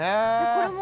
これも。